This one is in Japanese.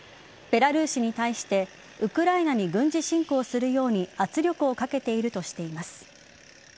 ベラルーシに対してウクライナに軍事侵攻するように圧力をかけているとしています。